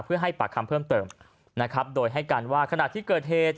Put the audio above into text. เพื่อให้ปากคำเพิ่มเติมนะครับโดยให้การว่าขณะที่เกิดเหตุ